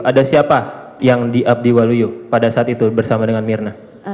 ada siapa yang diabdi waluyu pada saat itu bersama dengan mirna